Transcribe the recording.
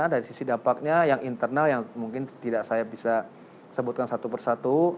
dari sisi dampaknya yang internal yang mungkin tidak saya bisa sebutkan satu persatu